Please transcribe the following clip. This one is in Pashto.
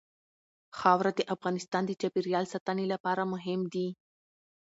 خاوره د افغانستان د چاپیریال ساتنې لپاره مهم دي.